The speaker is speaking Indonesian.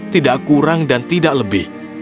tidak kurang dan tidak lebih